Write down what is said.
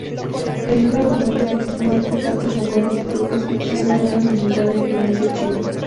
El libro documenta principalmente platos mongoles y turcos que exhiben una limitada influencia china.